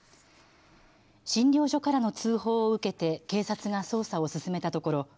診療所からの通報を受けて警察が捜査を進めたところ